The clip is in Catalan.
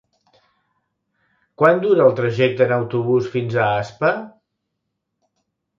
Quant dura el trajecte en autobús fins a Aspa?